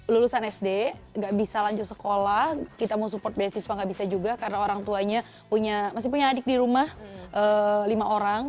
lulusan sd nggak bisa lanjut sekolah kita mau support beasiswa nggak bisa juga karena orang tuanya masih punya adik di rumah lima orang